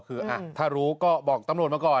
คือถ้ารู้ก็บอกตำรวจมาก่อน